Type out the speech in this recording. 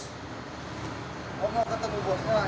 oh mau ketemu bos